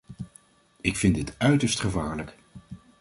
Ik vind dit uiterst gevaarlijk.